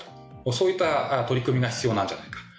そういった取り組みが必要なんじゃないか。